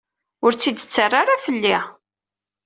Ur tt-id-ttarra ara fell-i.